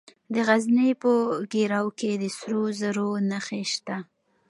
د غزني په ګیرو کې د سرو زرو نښې شته.